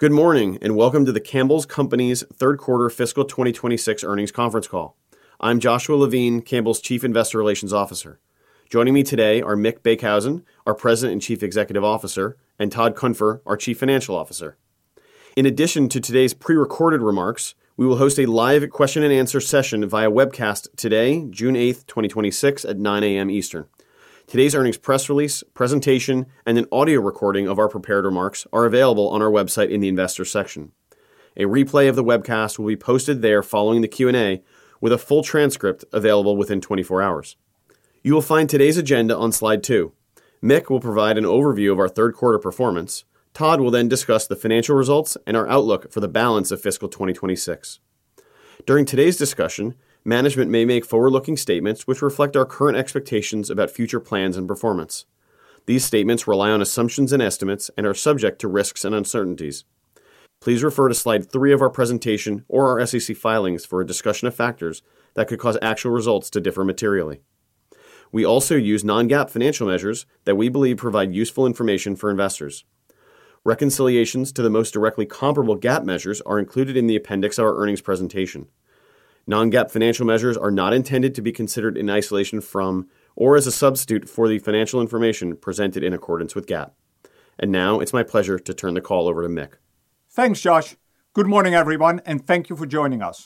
Good morning, and welcome to The Campbell’s Company’s third quarter fiscal 2026 earnings conference call. I’m Joshua Levine, Campbell’s Chief Investor Relations Officer. Joining me today are Mick Beekhuizen, our President and Chief Executive Officer, and Todd Cunfer, our Chief Financial Officer. In addition to today’s prerecorded remarks, we will host a live question and answer session via webcast today, June 8th, 2026, at 9:00 A.M. Eastern. Today’s earnings press release, presentation, and an audio recording of our prepared remarks are available on our website in the Investors section. A replay of the webcast will be posted there following the Q&A, with a full transcript available within 24 hours. You will find today’s agenda on slide two. Mick will provide an overview of our third quarter performance. Todd will then discuss the financial results and our outlook for the balance of fiscal 2026. During today’s discussion, management may make forward-looking statements which reflect our current expectations about future plans and performance. These statements rely on assumptions and estimates and are subject to risks and uncertainties. Please refer to slide three of our presentation or our SEC filings for a discussion of factors that could cause actual results to differ materially. We also use non-GAAP financial measures that we believe provide useful information for investors. Reconciliations to the most directly comparable GAAP measures are included in the appendix of our earnings presentation. Non-GAAP financial measures are not intended to be considered in isolation from, or as a substitute for, the financial information presented in accordance with GAAP. Now it’s my pleasure to turn the call over to Mick. Thanks, Josh. Good morning, everyone, and thank you for joining us.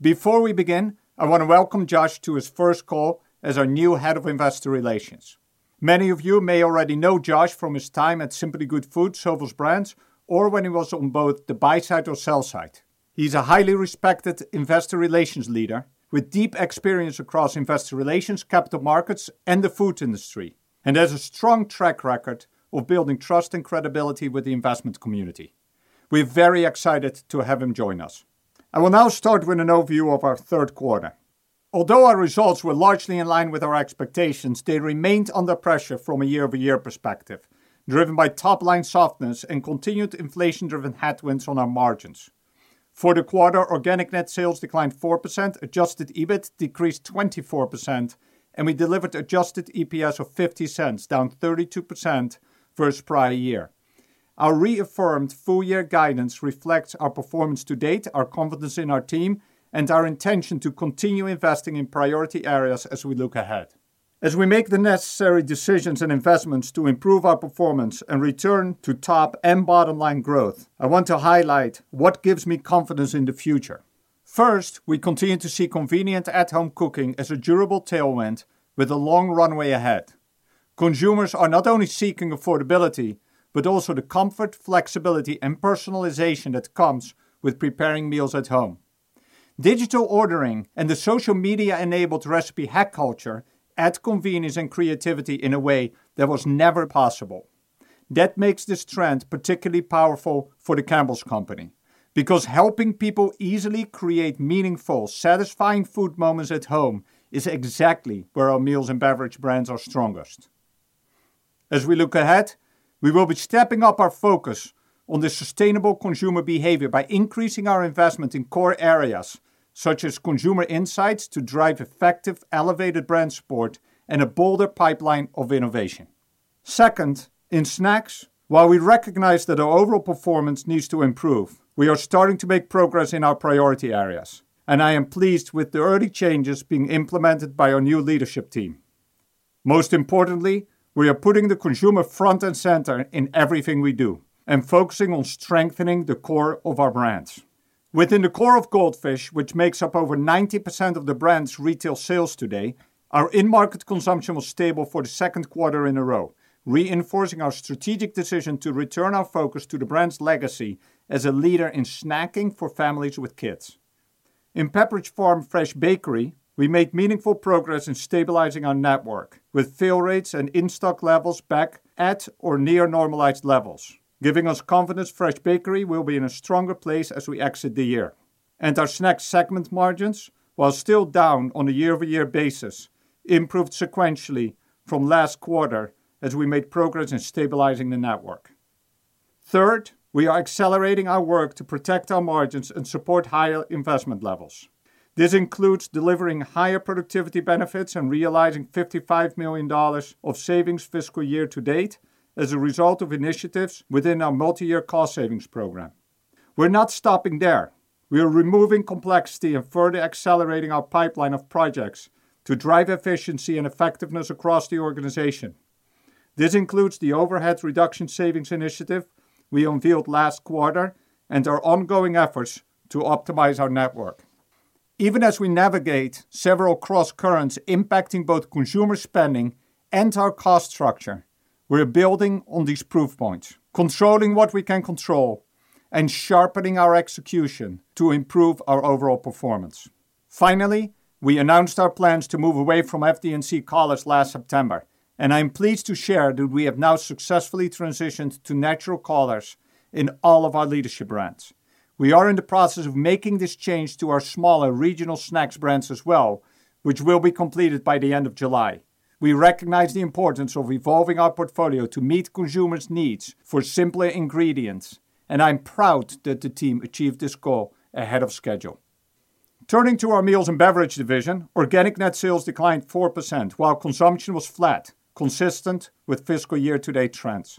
Before we begin, I want to welcome Josh to his first call as our new Head of Investor Relations. Many of you may already know Josh from his time at The Simply Good Foods Company, Sovos Brands, or when he was on both the buy side or sell side. He’s a highly respected investor relations leader with deep experience across investor relations, capital markets, and the food industry, and has a strong track record of building trust and credibility with the investment community. We’re very excited to have him join us. I will now start with an overview of our third quarter. Although our results were largely in line with our expectations, they remained under pressure from a year-over-year perspective, driven by top-line softness and continued inflation-driven headwinds on our margins. For the quarter, organic net sales declined 4%, adjusted EBIT decreased 24%, and we delivered adjusted EPS of $0.50, down 32% versus prior year. Our reaffirmed full-year guidance reflects our performance to-date, our confidence in our team, and our intention to continue investing in priority areas as we look ahead. As we make the necessary decisions and investments to improve our performance and return to top and bottom-line growth, I want to highlight what gives me confidence in the future. First, we continue to see convenient at-home cooking as a durable tailwind with a long runway ahead. Consumers are not only seeking affordability, but also the comfort, flexibility, and personalization that comes with preparing meals at home. Digital ordering and the social media-enabled recipe hack culture add convenience and creativity in a way that was never possible. That makes this trend particularly powerful for The Campbell's Company, because helping people easily create meaningful, satisfying food moments at home is exactly where our Meals & Beverages brands are strongest. As we look ahead, we will be stepping up our focus on the sustainable consumer behavior by increasing our investment in core areas, such as consumer insights to drive effective, elevated brand support and a bolder pipeline of innovation. Second, in snacks, while we recognize that our overall performance needs to improve, we are starting to make progress in our priority areas, and I am pleased with the early changes being implemented by our new leadership team. Most importantly, we are putting the consumer front and center in everything we do and focusing on strengthening the core of our brands. Within the core of Goldfish, which makes up over 90% of the brand’s retail sales today, our in-market consumption was stable for the second quarter in a row, reinforcing our strategic decision to return our focus to the brand’s legacy as a leader in snacking for families with kids. In Pepperidge Farm Fresh Bakery, we made meaningful progress in stabilizing our network with fill rates and in-stock levels back at or near normalized levels, giving us confidence Fresh Bakery will be in a stronger place as we exit the year. Our snack segment margins, while still down on a year-over-year basis, improved sequentially from last quarter as we made progress in stabilizing the network. Third, we are accelerating our work to protect our margins and support higher investment levels. This includes delivering higher productivity benefits and realizing $55 million of savings fiscal year to date as a result of initiatives within our multi-year cost savings program. We’re not stopping there. We are removing complexity and further accelerating our pipeline of projects to drive efficiency and effectiveness across the organization. This includes the overhead reduction savings initiative we unveiled last quarter and our ongoing efforts to optimize our network. Even as we navigate several crosscurrents impacting both consumer spending and our cost structure, we’re building on these proof points, controlling what we can control, and sharpening our execution to improve our overall performance. Finally, we announced our plans to move away from FD&C colors last September, and I’m pleased to share that we have now successfully transitioned to natural colors in all of our leadership brands. We are in the process of making this change to our smaller regional snacks brands as well, which will be completed by the end of July. We recognize the importance of evolving our portfolio to meet consumers’ needs for simpler ingredients, and I’m proud that the team achieved this goal ahead of schedule. Turning to our Meals & Beverages division, organic net sales declined 4%, while consumption was flat, consistent with fiscal year-to-date trends.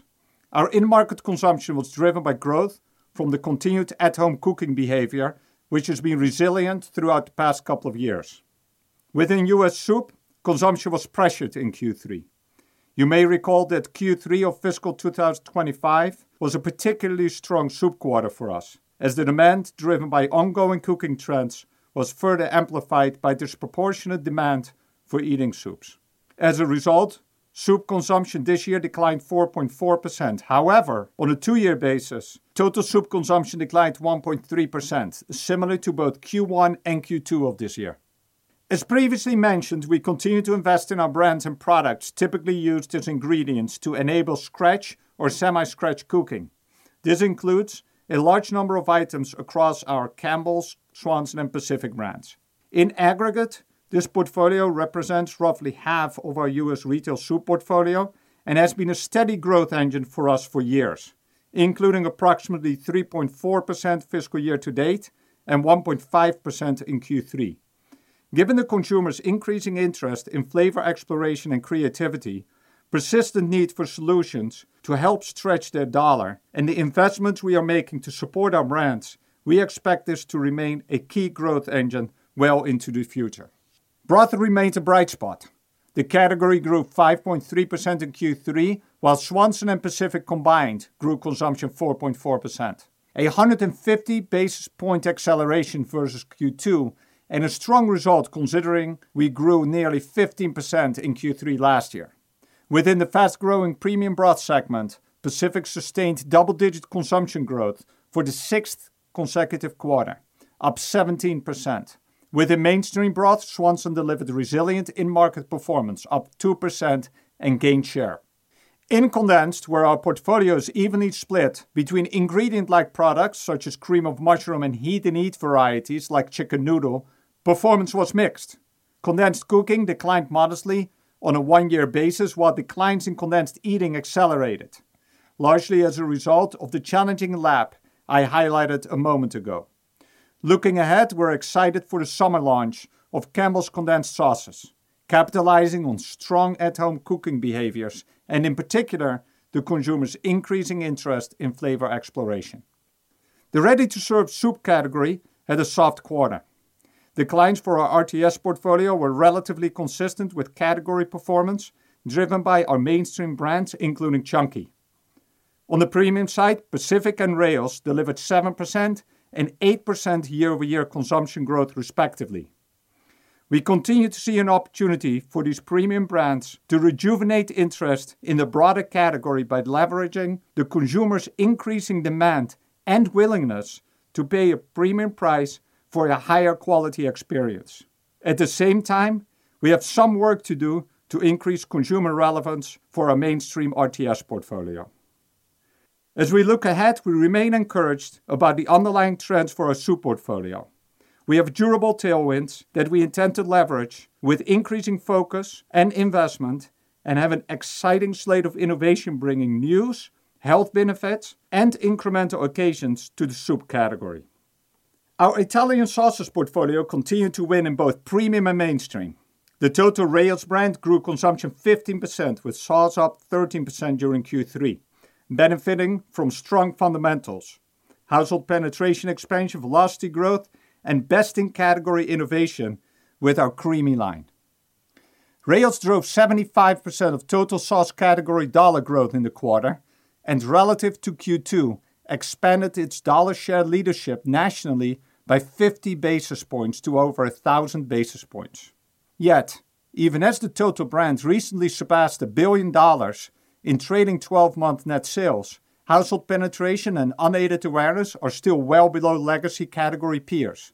Our in-market consumption was driven by growth from the continued at-home cooking behavior, which has been resilient throughout the past couple of years. Within U.S. soup, consumption was pressured in Q3. You may recall that Q3 of fiscal 2025 was a particularly strong soup quarter for us, as the demand driven by ongoing cooking trends was further amplified by disproportionate demand for eating soups. As a result, soup consumption this year declined 4.4%. However, on a two-year basis, total soup consumption declined 1.3%, similar to both Q1 and Q2 of this year. As previously mentioned, we continue to invest in our brands and products typically used as ingredients to enable scratch or semi-scratch cooking. This includes a large number of items across our Campbell's, Swanson, and Pacific brands. In aggregate, this portfolio represents roughly half of our U.S. retail soup portfolio and has been a steady growth engine for us for years, including approximately 3.4% fiscal year to-date and 1.5% in Q3. Given the consumer's increasing interest in flavor exploration and creativity, persistent need for solutions to help stretch their dollar, and the investments we are making to support our brands, we expect this to remain a key growth engine well into the future. Broth remains a bright spot. The category grew 5.3% in Q3, while Swanson and Pacific combined grew consumption 4.4%. A 150 basis point acceleration versus Q2 and a strong result considering we grew nearly 15% in Q3 last year. Within the fast-growing premium broth segment, Pacific sustained double-digit consumption growth for the sixth consecutive quarter, up 17%. Within mainstream broth, Swanson delivered resilient in-market performance, up 2% and gained share. In condensed, where our portfolio is evenly split between ingredient-like products such as cream of mushroom and heat-and-eat varieties like chicken noodle, performance was mixed. Condensed cooking declined modestly on a one-year basis, while declines in condensed eating accelerated, largely as a result of the challenging lap I highlighted a moment ago. Looking ahead, we're excited for the summer launch of Campbell's condensed sauces, capitalizing on strong at-home cooking behaviors and, in particular, the consumer's increasing interest in flavor exploration. The ready-to-serve soup category had a soft quarter. Declines for our RTS portfolio were relatively consistent with category performance driven by our mainstream brands, including Chunky. On the premium side, Pacific and Rao's delivered 7% and 8% year-over-year consumption growth respectively. We continue to see an opportunity for these premium brands to rejuvenate interest in the broader category by leveraging the consumer's increasing demand and willingness to pay a premium price for a higher quality experience. At the same time, we have some work to do to increase consumer relevance for our mainstream RTS portfolio. As we look ahead, we remain encouraged about the underlying trends for our soup portfolio. We have durable tailwinds that we intend to leverage with increasing focus and investment and have an exciting slate of innovation bringing news, health benefits, and incremental occasions to the soup category. Our Italian sauces portfolio continued to win in both premium and mainstream. The total Rao's brand grew consumption 15% with sauce up 13% during Q3, benefiting from strong fundamentals, household penetration expansion, velocity growth, and best-in-category innovation with our creamy line. Rao's drove 75% of total sauce category dollar growth in the quarter and relative to Q2 expanded its dollar share leadership nationally by 50 basis points to over 1,000 basis points. Yet, even as the total brands recently surpassed $1 billion in trailing 12-month net sales, household penetration and unaided awareness are still well below legacy category peers.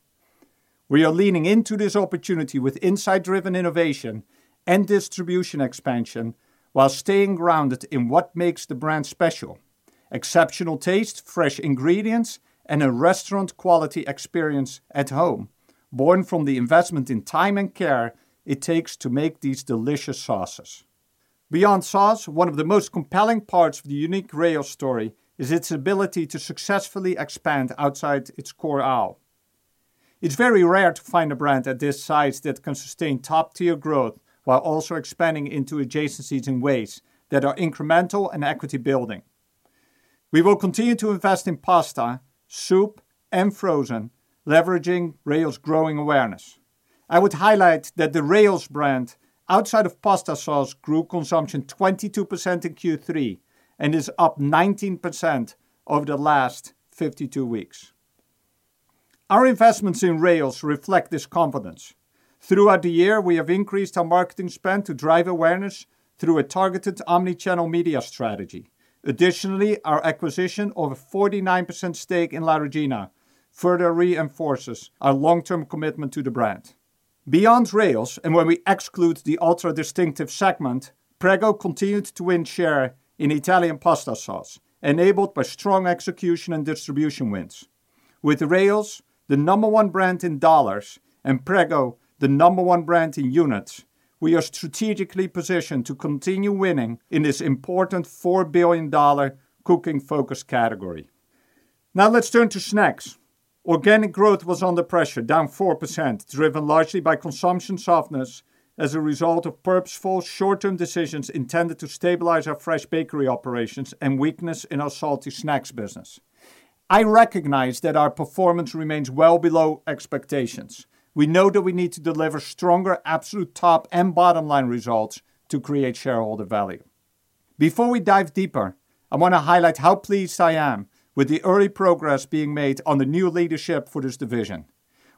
We are leaning into this opportunity with insight-driven innovation and distribution expansion while staying grounded in what makes the brand special, exceptional taste, fresh ingredients, and a restaurant quality experience at home born from the investment in time and care it takes to make these delicious sauces. Beyond sauce, one of the most compelling parts of the unique Rao's story is its ability to successfully expand outside its core aisle. It's very rare to find a brand at this size that can sustain top-tier growth while also expanding into adjacencies in ways that are incremental and equity building. We will continue to invest in pasta, soup, and frozen, leveraging Rao's growing awareness. I would highlight that the Rao's brand, outside of pasta sauce, grew consumption 22% in Q3 and is up 19% over the last 52 weeks. Our investments in Rao's reflect this confidence. Throughout the year, we have increased our marketing spend to drive awareness through a targeted omni-channel media strategy. Additionally, our acquisition of a 49% stake in La Regina further reinforces our long-term commitment to the brand. Beyond Rao's, when we exclude the ultra-distinctive segment, Prego continued to win share in Italian pasta sauce, enabled by strong execution and distribution wins. With Rao's the number one brand in dollars and Prego the number one brand in units. We are strategically positioned to continue winning in this important $4 billion cooking-focused category. Let's turn to snacks. Organic growth was under pressure, down 4%, driven largely by consumption softness as a result of purposeful short-term decisions intended to stabilize our fresh bakery operations and weakness in our salty snacks business. I recognize that our performance remains well below expectations. We know that we need to deliver stronger absolute top and bottom-line results to create shareholder value. Before we dive deeper, I want to highlight how pleased I am with the early progress being made on the new leadership for this division.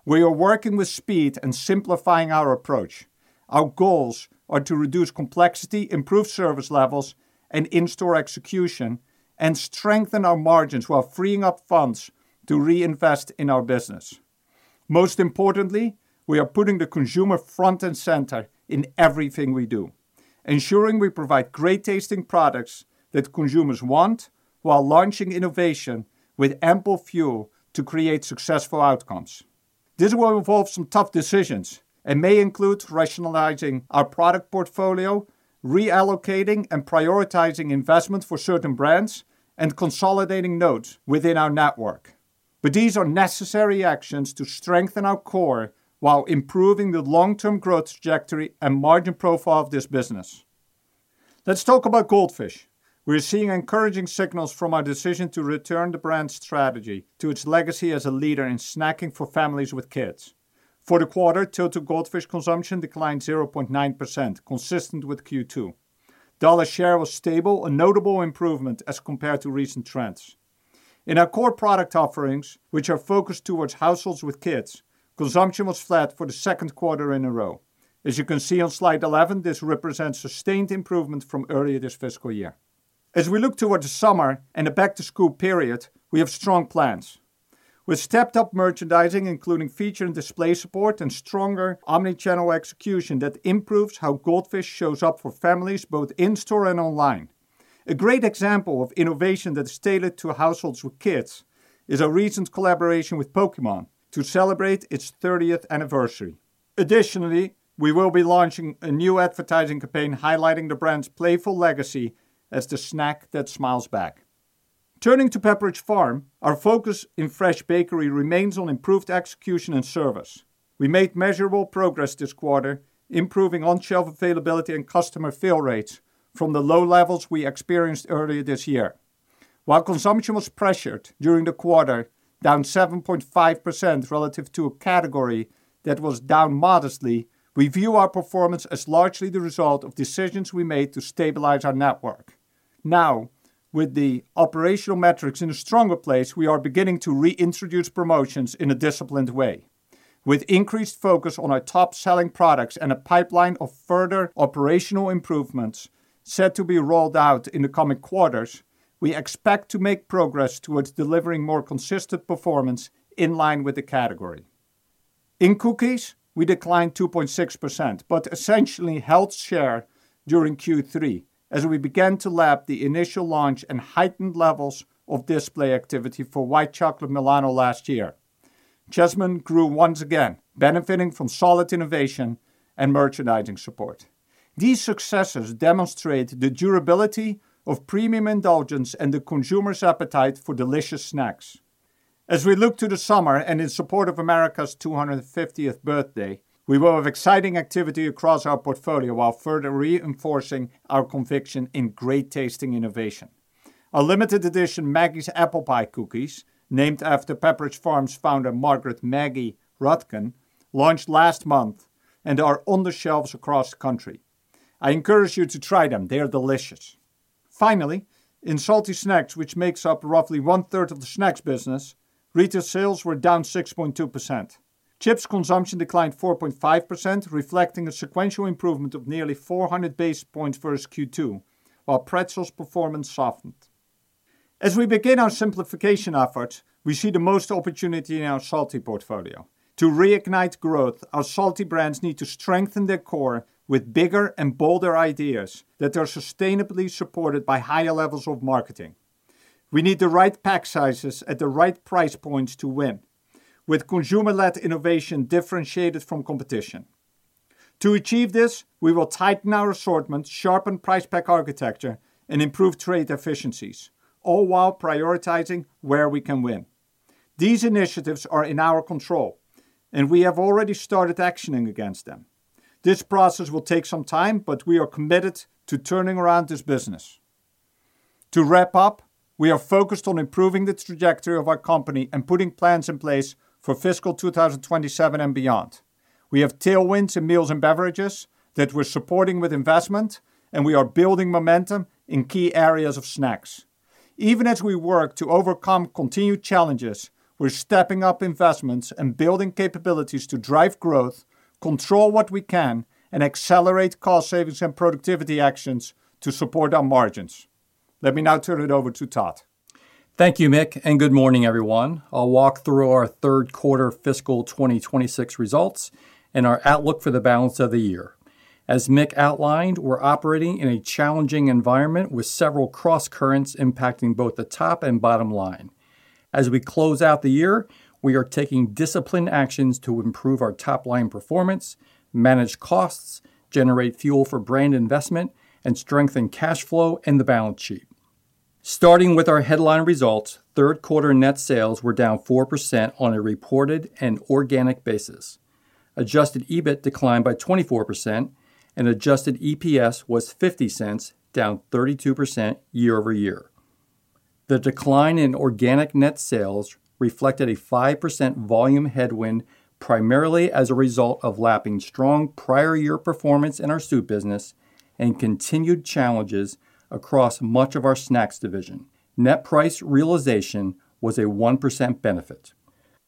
We are working with speed and simplifying our approach. Our goals are to reduce complexity, improve service levels and in-store execution, and strengthen our margins while freeing up funds to reinvest in our business. Most importantly, we are putting the consumer front and center in everything we do, ensuring we provide great-tasting products that consumers want while launching innovation with ample fuel to create successful outcomes. This will involve some tough decisions and may include rationalizing our product portfolio, reallocating and prioritizing investment for certain brands, and consolidating nodes within our network. These are necessary actions to strengthen our core while improving the long-term growth trajectory and margin profile of this business. Let's talk about Goldfish. We're seeing encouraging signals from our decision to return the brand strategy to its legacy as a leader in snacking for families with kids. For the quarter, total Goldfish consumption declined 0.9%, consistent with Q2. Dollar share was stable, a notable improvement as compared to recent trends. In our core product offerings, which are focused towards households with kids, consumption was flat for the second quarter in a row. As you can see on slide 11, this represents sustained improvement from earlier this fiscal year. As we look towards the summer and the back-to-school period, we have strong plans. With stepped-up merchandising, including feature and display support and stronger omni-channel execution that improves how Goldfish shows up for families both in-store and online. A great example of innovation that is tailored to households with kids is a recent collaboration with Pokémon to celebrate its 30th anniversary. Additionally, we will be launching a new advertising campaign highlighting the brand's playful legacy as the snack that smiles back. Turning to Pepperidge Farm, our focus in fresh bakery remains on improved execution and service. We made measurable progress this quarter, improving on-shelf availability and customer fill rates from the low levels we experienced earlier this year. While consumption was pressured during the quarter, down 7.5% relative to a category that was down modestly, we view our performance as largely the result of decisions we made to stabilize our network. Now, with the operational metrics in a stronger place, we are beginning to reintroduce promotions in a disciplined way. With increased focus on our top-selling products and a pipeline of further operational improvements set to be rolled out in the coming quarters, we expect to make progress towards delivering more consistent performance in line with the category. In cookies, we declined 2.6%, but essentially held share during Q3 as we began to lap the initial launch and heightened levels of display activity for White Chocolate Milano last year. Chessmen grew once again, benefiting from solid innovation and merchandising support. These successes demonstrate the durability of premium indulgence and the consumer's appetite for delicious snacks. As we look to the summer and in support of America's 250th birthday, we will have exciting activity across our portfolio while further reinforcing our conviction in great-tasting innovation. Our limited edition Maggie's Apple Pie cookies, named after Pepperidge Farm founder Margaret "Maggie" Rudkin, launched last month and are on the shelves across the country. I encourage you to try them. They are delicious. Finally, in salty snacks, which makes up roughly one-third of the snacks business, retail sales were down 6.2%. Chips consumption declined 4.5%, reflecting a sequential improvement of nearly 400 basis points versus Q2, while pretzels performance softened. As we begin our simplification efforts, we see the most opportunity in our salty portfolio. To reignite growth, our salty brands need to strengthen their core with bigger and bolder ideas that are sustainably supported by higher levels of marketing. We need the right pack sizes at the right price points to win. With consumer-led innovation differentiated from competition. To achieve this, we will tighten our assortment, sharpen price/pack architecture, and improve trade efficiencies, all while prioritizing where we can win. These initiatives are in our control, and we have already started actioning against them. This process will take some time, but we are committed to turning around this business. To wrap up, we are focused on improving the trajectory of our company and putting plans in place for FY 2027 and beyond. We have tailwinds in Meals & Beverages that we're supporting with investment, and we are building momentum in key areas of snacks. Even as we work to overcome continued challenges, we're stepping up investments and building capabilities to drive growth, control what we can, and accelerate cost savings and productivity actions to support our margins. Let me now turn it over to Todd. Thank you, Mick, and good morning, everyone. I'll walk through our third quarter fiscal 2026 results and our outlook for the balance of the year. As Mick outlined, we're operating in a challenging environment with several crosscurrents impacting both the top and bottom line. As we close out the year, we are taking disciplined actions to improve our top-line performance, manage costs, generate fuel for brand investment, and strengthen cash flow and the balance sheet. Starting with our headline results, third quarter net sales were down 4% on a reported and organic basis. Adjusted EBIT declined by 24%, and adjusted EPS was $0.50, down 32% year-over-year. The decline in organic net sales reflected a 5% volume headwind, primarily as a result of lapping strong prior year performance in our soup business and continued challenges across much of our snacks division. Net price realization was a 1% benefit.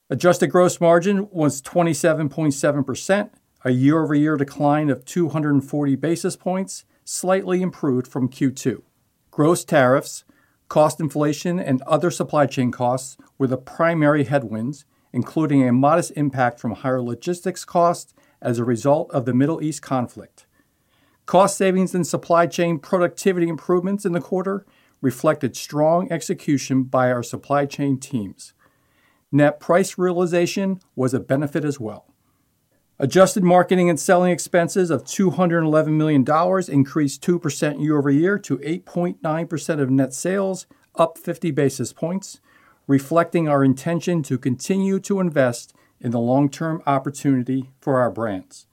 Adjusted gross margin was 27.7%, a year-over-year decline of 240 basis points, slightly improved from Q2. Gross tariffs, cost inflation, and other supply chain costs were the primary headwinds, including a modest impact from higher logistics costs as a result of the Middle East conflict. Cost savings and supply chain productivity improvements in the quarter reflected strong execution by our supply chain teams. Net price realization was a benefit as well. Adjusted marketing and selling expenses of $211 million increased 2% year-over-year to 8.9% of net sales, up 50 basis points, reflecting our intention to continue to invest in the long-term opportunity for our brands.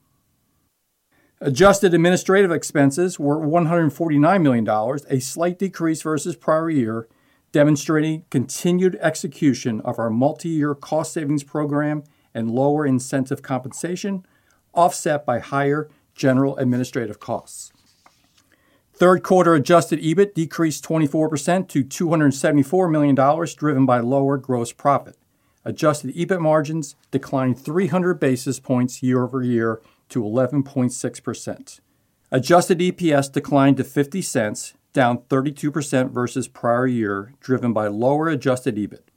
Adjusted administrative expenses were $149 million, a slight decrease versus prior year, demonstrating continued execution of our multi-year cost savings program and lower incentive compensation, offset by higher general administrative costs. Third quarter adjusted EBIT decreased 24% to $274 million, driven by lower gross profit. Adjusted EBIT margins declined 300 basis points year-over-year to 11.6%. Adjusted EPS declined to $0.50, down 32% versus prior year, driven by lower adjusted EBIT.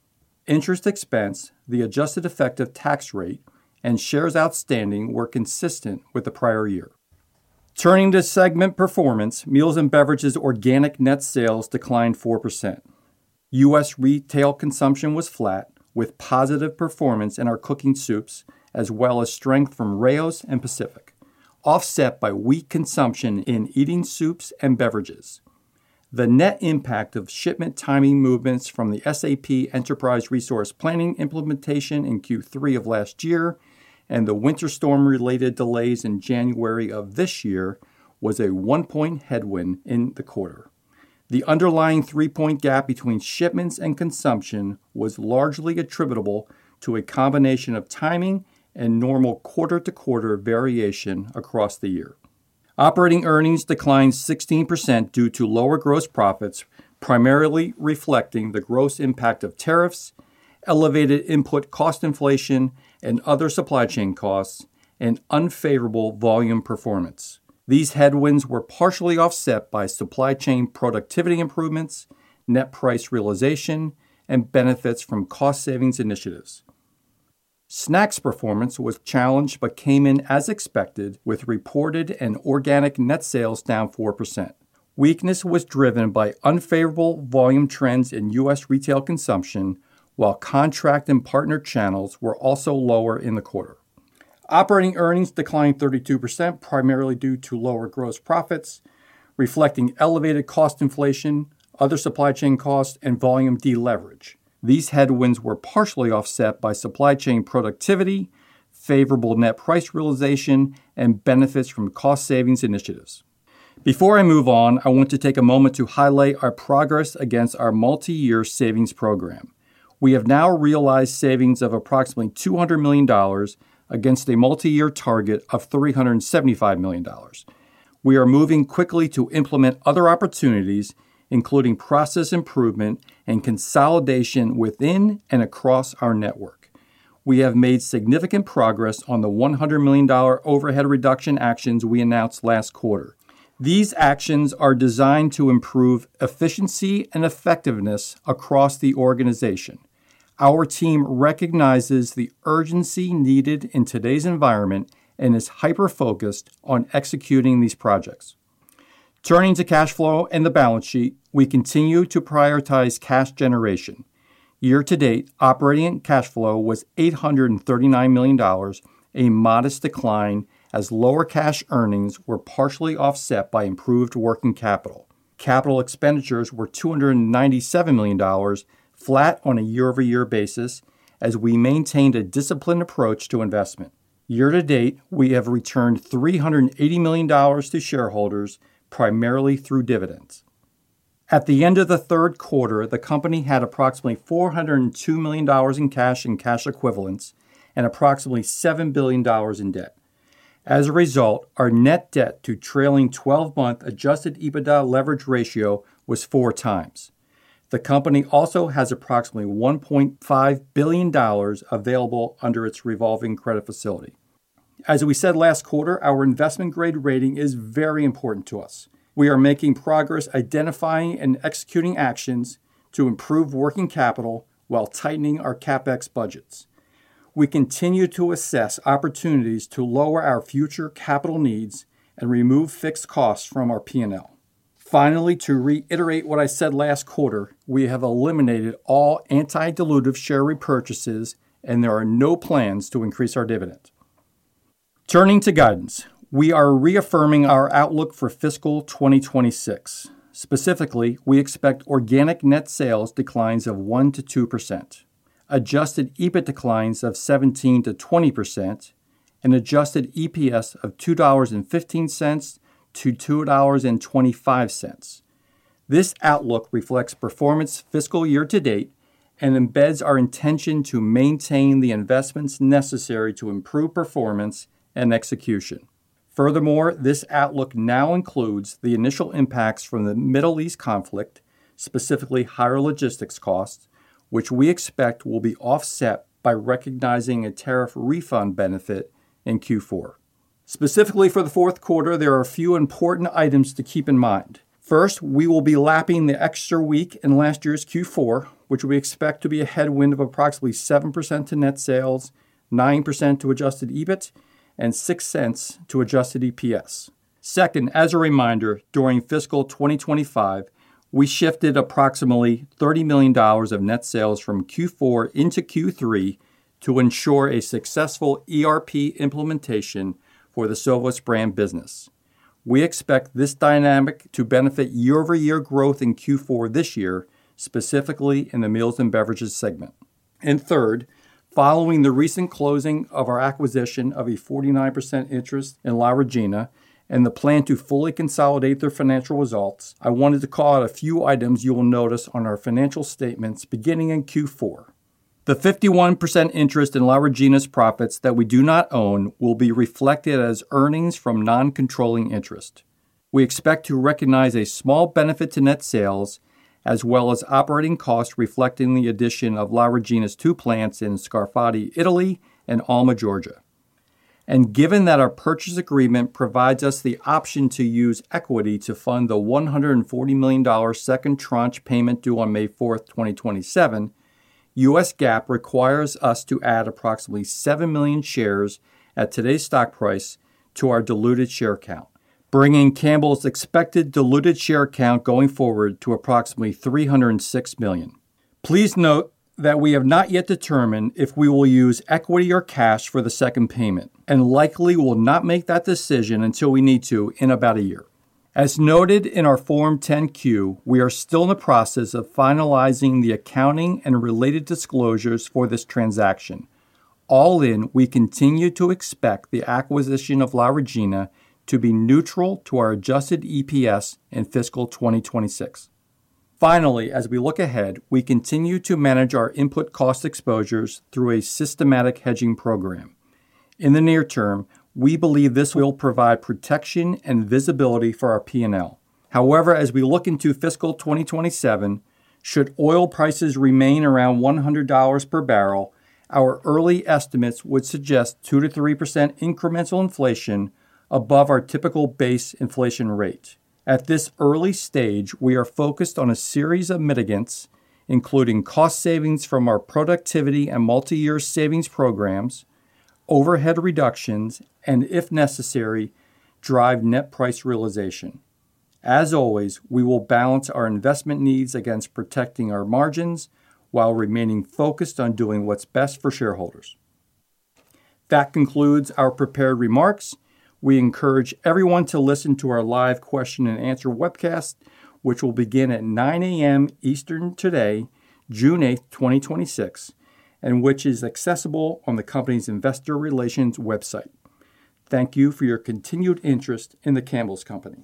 Interest expense, the adjusted effective tax rate, and shares outstanding were consistent with the prior year. Turning to segment performance, Meals & Beverages organic net sales declined 4%. U.S. retail consumption was flat, with positive performance in our cooking soups, as well as strength from Rao's and Pacific, offset by weak consumption in eating soups and beverages. The net impact of shipment timing movements from the SAP enterprise resource planning implementation in Q3 of last year and the winter storm-related delays in January of this year was a one-point headwind in the quarter. The underlying three-point gap between shipments and consumption was largely attributable to a combination of timing and normal quarter-to-quarter variation across the year. Operating earnings declined 16% due to lower gross profits, primarily reflecting the gross impact of tariffs, elevated input cost inflation, and other supply chain costs, and unfavorable volume performance. These headwinds were partially offset by supply chain productivity improvements, net price realization, and benefits from cost savings initiatives. Snacks performance was challenged but came in as expected, with reported and organic net sales down 4%. Weakness was driven by unfavorable volume trends in U.S. retail consumption, while contract and partner channels were also lower in the quarter. Operating earnings declined 32%, primarily due to lower gross profits, reflecting elevated cost inflation, other supply chain costs, and volume de-leverage. These headwinds were partially offset by supply chain productivity, favorable net price realization, and benefits from cost savings initiatives. Before I move on, I want to take a moment to highlight our progress against our multi-year savings program. We have now realized savings of approximately $200 million against a multi-year target of $375 million. We are moving quickly to implement other opportunities, including process improvement and consolidation within and across our network. We have made significant progress on the $100 million overhead reduction actions we announced last quarter. These actions are designed to improve efficiency and effectiveness across the organization. Our team recognizes the urgency needed in today's environment and is hyper-focused on executing these projects. Turning to cash flow and the balance sheet, we continue to prioritize cash generation. Year-to-date, operating cash flow was $839 million, a modest decline as lower cash earnings were partially offset by improved working capital. Capital expenditures were $297 million, flat on a year-over-year basis, as we maintained a disciplined approach to investment. Year-to-date, we have returned $380 million to shareholders, primarily through dividends. At the end of the third quarter, the company had approximately $402 million in cash and cash equivalents and approximately $7 billion in debt. As a result, our net debt to trailing 12-month adjusted EBITDA leverage ratio was 4x. The company also has approximately $1.5 billion available under its revolving credit facility. As we said last quarter, our investment-grade rating is very important to us. We are making progress identifying and executing actions to improve working capital while tightening our CapEx budgets. We continue to assess opportunities to lower our future capital needs and remove fixed costs from our P&L. To reiterate what I said last quarter, we have eliminated all anti-dilutive share repurchases, and there are no plans to increase our dividend. Turning to guidance, we are reaffirming our outlook for fiscal 2026. We expect organic net sales declines of 1%-2%, adjusted EBIT declines of 17%-20%, and adjusted EPS of $2.15-$2.25. This outlook reflects performance fiscal year-to-date and embeds our intention to maintain the investments necessary to improve performance and execution. This outlook now includes the initial impacts from the Middle East conflict, specifically higher logistics costs, which we expect will be offset by recognizing a tariff refund benefit in Q4. For the fourth quarter, there are a few important items to keep in mind. First, we will be lapping the extra week in last year's Q4, which we expect to be a headwind of approximately 7% to net sales, 9% to adjusted EBIT, and $0.06 to adjusted EPS. Second, as a reminder, during fiscal 2025, we shifted approximately $30 million of net sales from Q4 into Q3 to ensure a successful ERP implementation for the Sovos brand business. We expect this dynamic to benefit year-over-year growth in Q4 this year, specifically in the Meals & Beverages segment. Third, following the recent closing of our acquisition of a 49% interest in La Regina and the plan to fully consolidate their financial results, I wanted to call out a few items you will notice on our financial statements beginning in Q4. The 51% interest in La Regina's profits that we do not own will be reflected as earnings from non-controlling interest. We expect to recognize a small benefit to net sales, as well as operating costs, reflecting the addition of La Regina's two plants in Scafati, Italy, and Alma, Georgia. Given that our purchase agreement provides us the option to use equity to fund the $140 million second tranche payment due on May 4th, 2027, U.S. GAAP requires us to add approximately 7 million shares at today's stock price to our diluted share count, bringing Campbell's expected diluted share count going forward to approximately 306 million. Please note that we have not yet determined if we will use equity or cash for the second payment, and likely will not make that decision until we need to in about a year. As noted in our Form 10-Q, we are still in the process of finalizing the accounting and related disclosures for this transaction. All in, we continue to expect the acquisition of La Regina to be neutral to our adjusted EPS in fiscal 2026. Finally, as we look ahead, we continue to manage our input cost exposures through a systematic hedging program. In the near term, we believe this will provide protection and visibility for our P&L. However, as we look into fiscal 2027, should oil prices remain around $100 per barrel, our early estimates would suggest 2%-3% incremental inflation above our typical base inflation rate. At this early stage, we are focused on a series of mitigants, including cost savings from our productivity and multi-year savings programs, overhead reductions, and if necessary, drive net price realization. As always, we will balance our investment needs against protecting our margins while remaining focused on doing what's best for shareholders. That concludes our prepared remarks. We encourage everyone to listen to our live question-and-answer webcast, which will begin at 9:00 A.M. Eastern today, June 8th, 2026. Which is accessible on the company's investor relations website. Thank you for your continued interest in The Campbell's Company.